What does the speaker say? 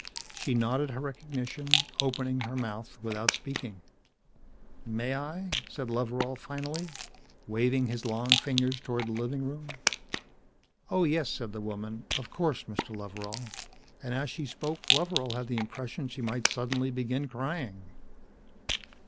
She nodded her recognition, opening her mouth without speaking. "May I?" said Loveral finally, waving his long fingers toward the living room. "Oh, yes," said the woman. "Of course, Mr. Loveral." And as she spoke Loveral had the impression she might suddenly begin crying.